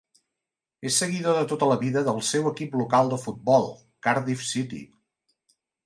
És seguidor de tota la vida del seu equip local de futbol, Cardiff City.